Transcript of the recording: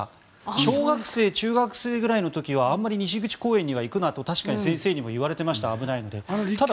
小学生、中学生ぐらいの時はあまり西口公園には行くなとたしかに先生に言われていました。